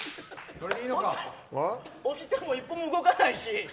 押しても一歩も動かないし。